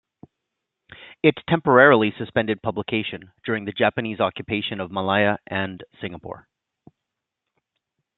It temporarily suspended publication during the Japanese occupation of Malaya and Singapore.